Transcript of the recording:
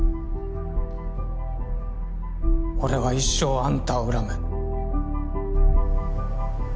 俺は一生あんたを恨む。